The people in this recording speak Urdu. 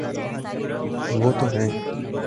وہ تو ہیں۔